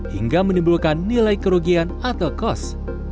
hingga menimbulkan nilai kerugian atau kos